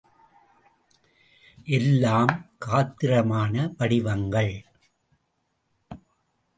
எல்லாம் காத்திரமான வடிவங்கள்.